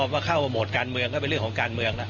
ว่าเข้าโหมดการเมืองก็เป็นเรื่องของการเมืองแล้ว